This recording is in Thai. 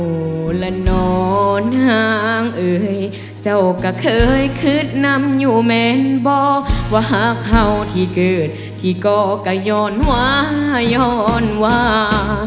ละนอนห่างเอ่ยเจ้าก็เคยขึ้นนำอยู่แม่นบอกว่าหากเขาที่เกิดที่ก่อก็ย้อนวาย้อนวา